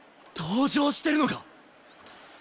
同情してるのか！？